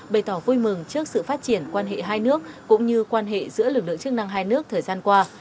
bày tỏ vui mừng trước sự phát triển quan hệ hai nước cũng như quan hệ giữa lực lượng chức năng hai nước thời gian qua